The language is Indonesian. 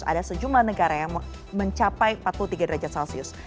ada sejumlah negara yang mencapai empat puluh tiga derajat celcius